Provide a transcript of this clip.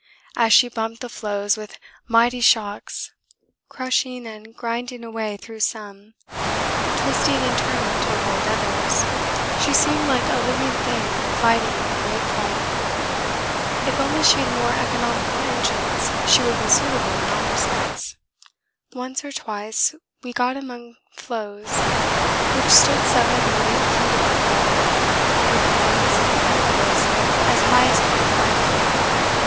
As she bumped the floes with mighty shocks, crushing and grinding a way through some, twisting and turning to avoid others, she seemed like a living thing fighting a great fight. If only she had more economical engines she would be suitable in all respects. 'Once or twice we got among floes which stood 7 or 8 feet above water, with hummocks and pinnacles as high as 25 feet.